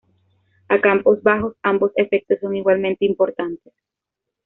A campos bajos, ambos efectos son igualmente importantes.